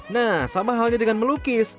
nah sama halnya dengan melukis